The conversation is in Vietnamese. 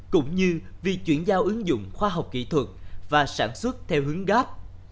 cũng như vì chuyển giao ứng dụng khoa học kỹ thuật và sản xuất theo hướng gáp